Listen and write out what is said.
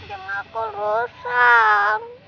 jam aku rusak